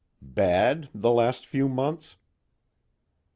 "Bad, the last few months?"